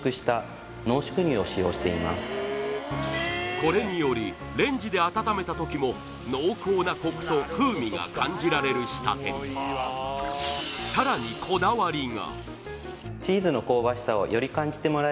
これによりレンジで温めたときも濃厚なコクと風味が感じられる仕立てにさらにこだわりが！